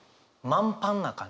満パンな感じ。